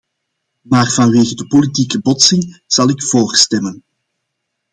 Maar vanwege de politieke botsing zal ik voor stemmen.